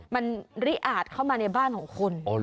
มันริอาจเข้ามาในบ้านของคุณ